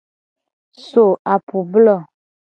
So apublo.